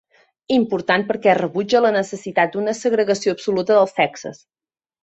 Important perquè rebutja la necessitat d'una segregació absoluta dels sexes.